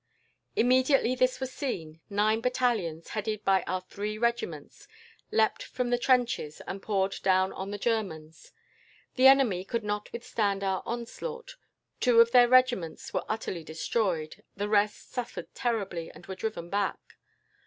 "Immediately this was seen, nine battalions, headed by our three regiments, leapt from the trenches and poured down on the Germans. The enemy could not withstand our onslaught. Two of their regiments were utterly destroyed, the rest suffered terribly, and were driven back.